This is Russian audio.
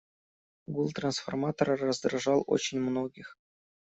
Гул трансформатора раздражал очень многих.